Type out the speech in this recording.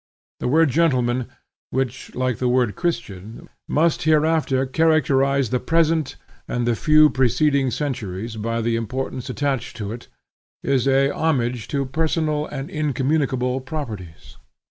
The word gentleman, which, like the word Christian, must hereafter characterize the present and the few preceding centuries by the importance attached to it, is a homage to personal and incommunicable properties.